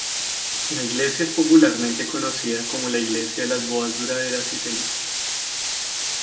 La iglesia es popularmente conocida como la iglesia de las bodas duraderas y felices.